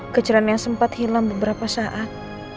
kecerian yang sempat hilang beberapa saat